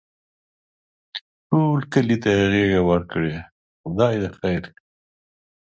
ټول کلي ته یې غېږه ورکړې؛ خدای خیر کړي.